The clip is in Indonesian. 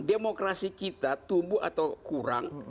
demokrasi kita tumbuh atau kurang